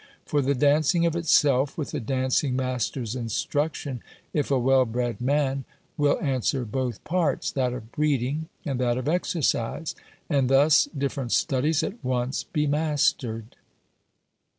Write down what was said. For the dancing of itself, with the dancing master's instruction, if a well bred man, will answer both parts, that of breeding and that of exercise: and thus different studies at once be mastered.